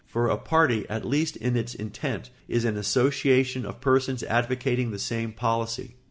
For a party, at least in its intent, is an association of persons advocating the same policy.